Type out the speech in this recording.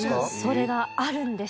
それがあるんです。